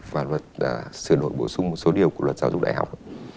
và luật sửa đổi bổ sung một số điều của luật giáo dục đại học